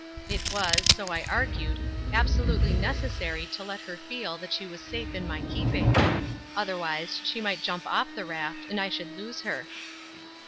It was, so I argued, absolutely necessary to let her feel that she was safe in my keeping. Otherwise she might jump off the raft and I should lose her.